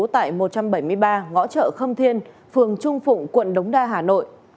tại một trăm bảy mươi ba ngõ chợ khâm thiên phường trung phụng quận đống đa hà nội